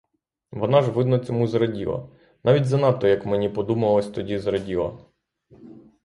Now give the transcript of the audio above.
Вона ж, видно, цьому зраділа, навіть занадто, як мені подумалось тоді, зраділа.